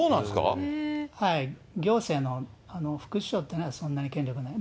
はい、行政の副首相ってのは、そんなに権力ない。